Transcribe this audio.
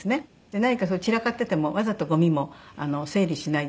何か散らかっててもわざとごみも整理しない。